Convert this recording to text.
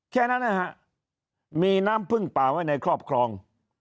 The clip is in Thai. แค่นั้นนะฮะมีน้ำพึ่งป่าไว้ในครอบครอง